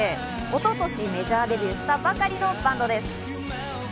一昨年、メジャーデビューしたばかりのバンドです。